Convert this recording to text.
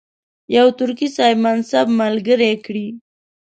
یو ترکي صاحب منصب ملګری کړي.